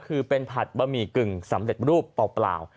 คือเป็นผัดบะหมี่กึ่งสำเร็จรูปเปล่า